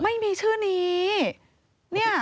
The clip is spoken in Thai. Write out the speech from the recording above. ไม่มีชื่อนี้